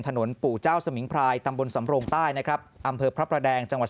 ปู่เจ้าสมิงพรายตำบลสำโรงใต้นะครับอำเภอพระประแดงจังหวัด